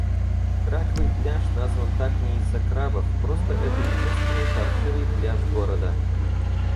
Раковый пляж назван так не из-за крабов. Просто это единственный паршивый пляж города.